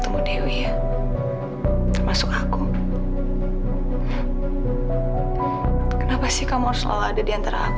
andri kemana lagi